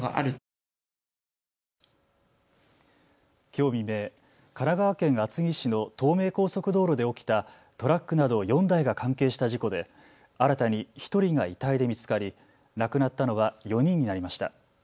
きょう未明、神奈川県厚木市の東名高速道路で起きたトラックなど４台が関係した事故で新たに１人が遺体で見つかり亡くなったのは４人になりました。